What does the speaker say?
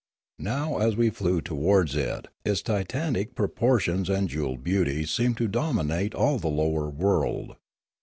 Now as we flew towards it its titanic proportions and jewelled beauty seemed to dominate all the lower world.